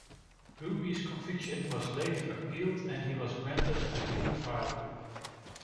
Ruby's conviction was later appealed and he was granted a new trial.